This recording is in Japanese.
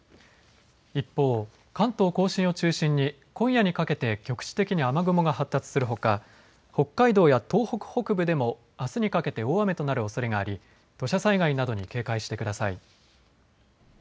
一方、関東甲信を中心に今夜にかけて局地的に雨雲が発達するほか、北海道や東北北部でもあすにかけて大雨となるおそれがあり土砂災害などに警戒してください。